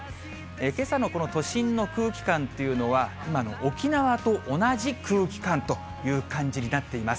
けさのこの都心の空気感というのは、今の沖縄と同じ空気感という感じになっています。